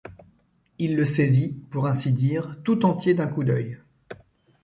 Il le saisit, pour ainsi dire, tout entier d’un coup d’œil.